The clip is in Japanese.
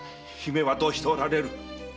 姫はどうしておられる？